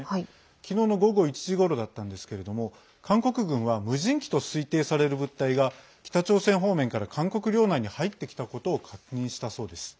昨日の午後１時ごろだったんですけれども韓国軍は無人機と推定される物体が北朝鮮方面から韓国領内に入ってきたことを確認したそうです。